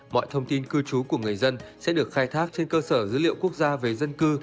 mọi thông tin cư trú của người dân sẽ được khai thác trên cơ sở dữ liệu quốc gia về dân cư